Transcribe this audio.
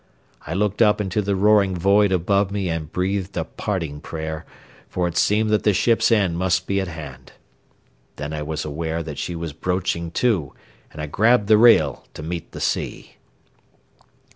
I looked up into the roaring void above me and breathed a parting prayer, for it seemed that the ship's end must be at hand. Then I was aware that she was broaching to, and I grabbed the rail to meet the sea.